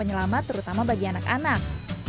penyelamat terutama bagi anak anak